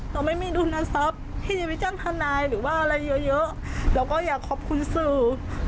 เราไม่มีดุลทรัพย์ที่จะไปจ้างทนายหรือว่าอะไรเยอะเยอะเราก็อยากขอบคุณสื่อ